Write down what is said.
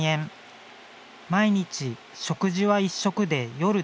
毎日食事は１食で夜だけです。